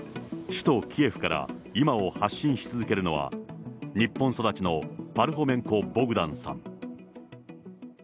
首都キエフから今を発信し続けるのは、日本育ちのパルホメンコ・ボグダンさん。